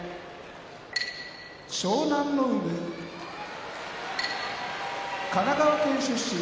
湘南乃海神奈川県出身